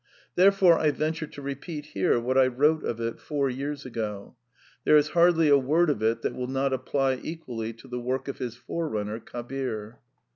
Therefore, I venture to repeat here what I wrote of it four years ago. There is hardly a word of it that will not apply equally to the work of his fore runner, Kabir.